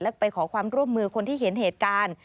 และไปขอความร่วมมือคนที่เห็นเหตุการณ์